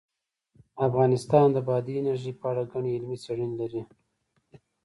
افغانستان د بادي انرژي په اړه ګڼې علمي څېړنې لري.